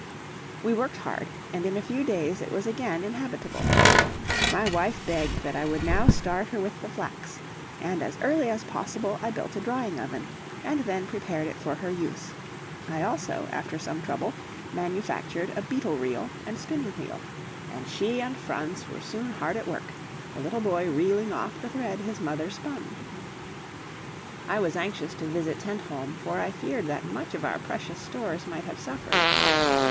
We worked hard, and in a few days it was again inhabitable. My wife begged that I would now start her with the flax, and as early as possible I built a drying oven, and then prepared it for her use; I also, after some trouble, manufactured a beetle reel and spinning wheel, and she and Franz were soon hard at work, the little boy reeling off the thread his mother spun. I was anxious to visit Tentholm, for I feared that much of our precious stores might have suffered.